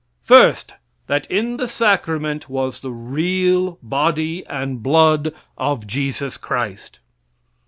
First, that in the sacrament was the real body and blood of Jesus Christ.